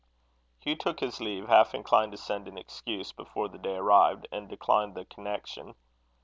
Hugh took his leave, half inclined to send an excuse before the day arrived, and decline the connection.